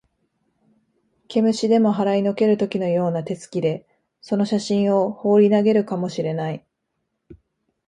毛虫でも払いのける時のような手つきで、その写真をほうり投げるかも知れない